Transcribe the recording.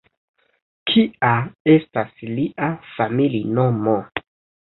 Kia estas lia familinomo?